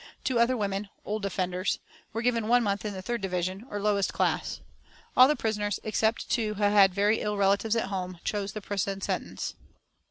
Two other women, "old offenders," were given one month in the third division, or lowest class. All the prisoners, except two who had very ill relatives at home, chose the prison sentence.